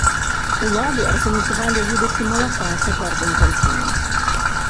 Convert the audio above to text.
Улады арганізавалі выдачу малака цяжарным жанчынам.